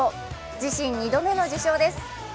自身２度目の受賞です。